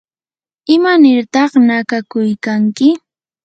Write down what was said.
¿imanirta nakakuykanki?